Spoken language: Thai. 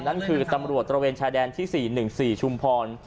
นั่นคือตำรวจตระเวนชายแดนที่๔๑๔ชุมพร